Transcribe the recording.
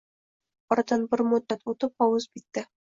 Oradan bir muddat oʻtib, hovuz bitdi